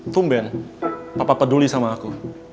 tumben papa peduli sama aku